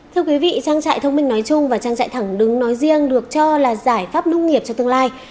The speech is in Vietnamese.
thưa quý vị trang trại thông minh nói chung và trang trại thẳng đứng nói riêng được cho là giải pháp nông nghiệp cho tương lai